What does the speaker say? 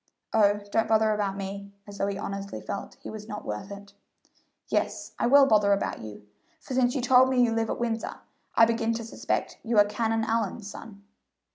"Oh, don't bother about me," as though he honestly felt he was not worth it. "Yes, I will bother about you, for since you told me you live at Windsor, I begin to suspect you are Canon Allyn's son."